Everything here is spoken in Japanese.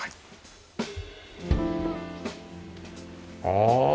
ああ。